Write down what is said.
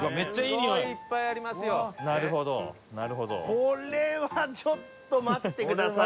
これはちょっと待ってくださいよ。